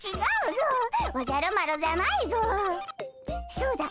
そうだ！